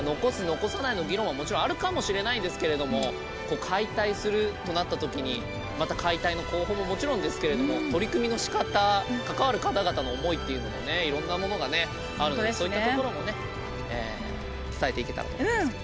・残さないの議論はもちろんあるかもしれないんですけれども解体するとなった時にまた解体の工法ももちろんですけれども取り組みのしかた関わる方々の思いっていうのもねいろんなものがねあるのでそういったところもね伝えていけたらと思いますけど。